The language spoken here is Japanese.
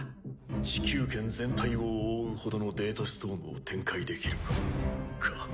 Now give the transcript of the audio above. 地球圏全体を覆うほどのデータストームを展開できるか。